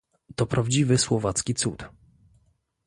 To prawdziwy słowacki cud